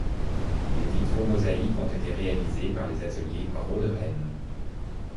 Les vitraux mosaïque ont été réalisés par les ateliers Rault de Rennes.